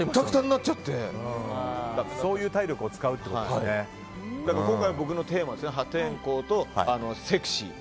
そういう体力を今回、僕のテーマ破天荒とセクシー。